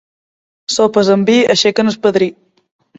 Sopes amb vi aixequen el padrí.